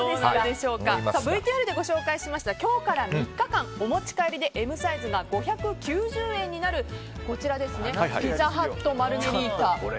ＶＴＲでご紹介しました今日から３日間お持ち帰りでＭサイズが５９０円になるピザハット・マルゲリータ。